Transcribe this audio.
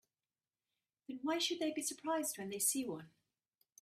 Then why should they be surprised when they see one?